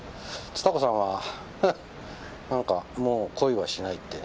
つた子さんはハッなんかもう恋はしないって。